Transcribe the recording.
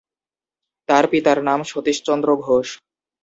তার পিতার নাম সতীশচন্দ্র ঘোষ।